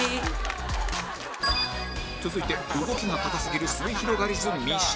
続いて動きが硬すぎるすゑひろがりず三島